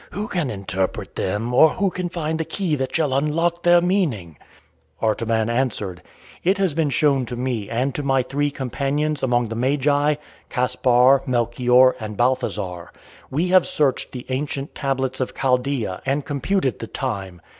Who can interpret them, or who can find the key that shall unlock their meaning?" Artaban answered: "It has been shown to me and to my three companions among the Magi Caspar, Melchior, and Balthazar. We have searched the ancient tablets of Chaldea and computed the time.